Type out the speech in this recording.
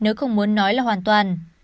nếu không muốn nói là hoàn toàn